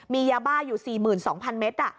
มียาบ้าอยู่๔๒๐๐เมตร